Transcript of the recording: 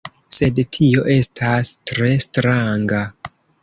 Sed tio estas tre stranga...